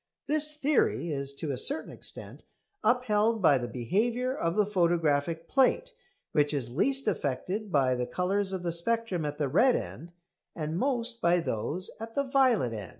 This theory is to a certain extent upheld by the behaviour of the photographic plate, which is least affected by the colours of the spectrum at the red end and most by those at the violet end.